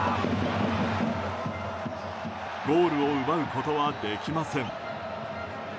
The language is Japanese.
ゴールを奪うことはできません。